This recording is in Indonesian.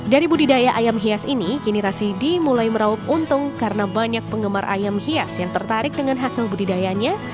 dari budidaya ayam hias ini kini rasidi mulai meraup untung karena banyak penggemar ayam hias yang tertarik dengan hasil budidayanya